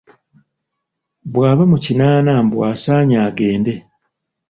Bbwaba mu kinaana mbu asaanye agende.